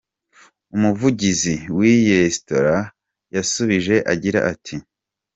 Umuvugizi w'iyi resitora yasubije agira ati:.